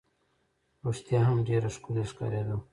رښتیا هم ډېره ښکلې ښکارېده.